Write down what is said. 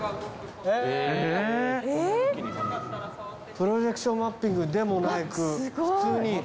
プロジェクションマッピングでもなく普通にＡＩで？